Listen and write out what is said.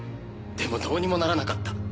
でもどうにもならなかった。